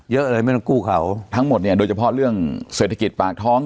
เยอะเลยไม่ต้องกู้เขาทั้งหมดเนี่ยโดยเฉพาะเรื่องเศรษฐกิจปากท้อง